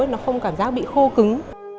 nó không cảm giác bị khô cứng